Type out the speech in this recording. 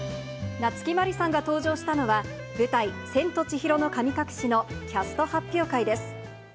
夏木マリさんが登場したのは、舞台、千と千尋の神隠しのキャスト発表会です。